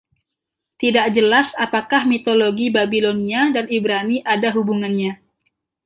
Tidak jelas apakah mitologi Babilonia dan Ibrani ada hubungannya.